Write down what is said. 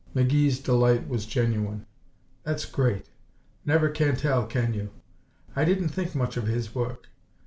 McGee's delight was genuine. "That's great! Never can tell, can you? I didn't think much of his work."